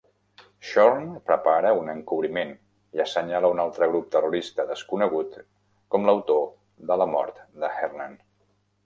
Shorn prepara un encobriment i assenyala un altre grup terrorista desconegut com l'autor de la mort de Hernan.